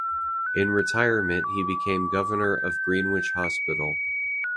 In retirement he became Governor of Greenwich Hospital.